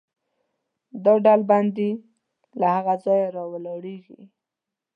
دا ډلبندي له هغه ځایه راولاړېږي.